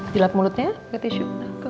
jilat mulutnya pakai tisu